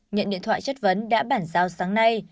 nhận điện thoại chất vấn đã bản giao sáng nay